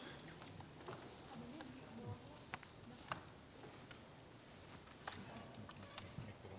ya kita ngikutin seperti biasanya kita ikutin dengan baik